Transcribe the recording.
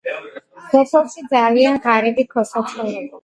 სოფელში ძალიან ღარიბი ქოსა ცხოვრობდა